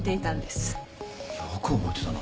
よく覚えてたな。